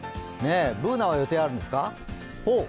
Ｂｏｏｎａは予定あるんですか？